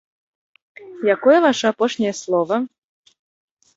Якое ваша апошняе слова?